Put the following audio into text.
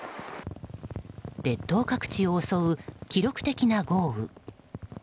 列島各地を襲う記録的な豪雨。